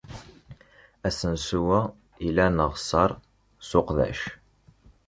Asensu-a ila aneɣsar s uqeddac.